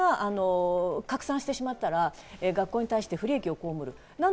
これが拡散してしまったら学校に対して不利益をこうむる。